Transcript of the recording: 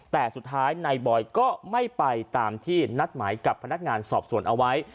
แต่สุดท้ายนายบอยก็ไม่ไปตามที่นัดหมายกับพนักงานสอบสวนเอาไว้